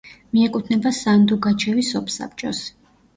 მიეკუთვნება სანდუგაჩევის სოფსაბჭოს.